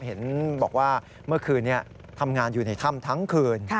เห็นบอกว่าเมื่อคืนนี้ทำงานอยู่ในถ้ำทั้งคืน